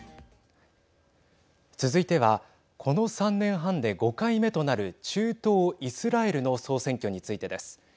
続いてはこの３年半で５回目となる中東イスラエルの総選挙についてです。